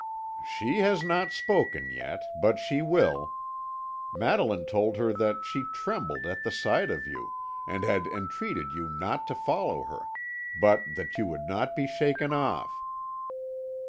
"She has not spoken yet, but she will. Madeline told her that she trembled at the sight of you, and had entreated you not to follow her; but that you would not be shaken off."